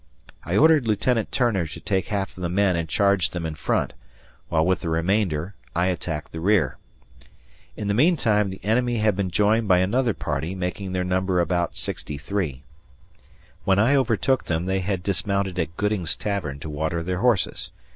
I ordered Lieutenant Turner to take half of the men and charge them in front, while with the remainder I attacked their rear. In the meantime the enemy had been joined by another party, making their number about 63. When I overtook them they had dismounted at Gooding's Tavern to water their horses.